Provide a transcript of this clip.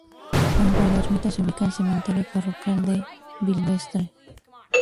Junto a la ermita se ubica el cementerio parroquial de Vilvestre.